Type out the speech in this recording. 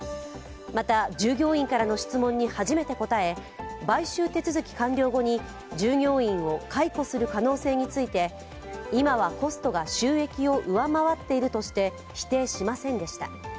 また、従業員からの質問に初めて答え買収手続き完了後に従業員を解雇する手続きについて今はコストが収益を上回っているとして否定しませんでした。